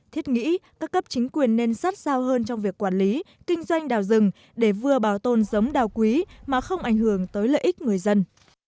thiết nghĩ các cấp chính quyền nên sát sao hơn trong việc quản lý kinh doanh đào rừng để vừa bảo tồn giống đào quý mà không ảnh hưởng tới lợi ích người dân